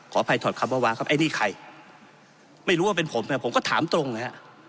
อภัยถอดคำว่าวาครับไอ้นี่ใครไม่รู้ว่าเป็นผมนะผมก็ถามตรงนะฮะ